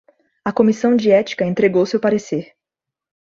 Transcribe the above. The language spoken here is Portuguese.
A comissão de ética entregou seu parecer